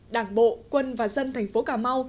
đảng bộ quân và dân thành phố cà mau